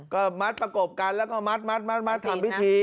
ก็มัดประกบกันแล้วก็มัดทำพิธี